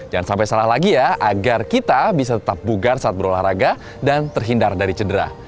jangan sampai salah lagi ya agar kita bisa tetap bugar saat berolahraga dan terhindar dari cedera